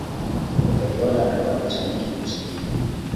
pep guardiola anapewa pesa nyingi kusajili